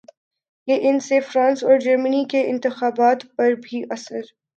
کہ اس سے فرانس ا ور جرمنی کے انتخابات پر بھی اثر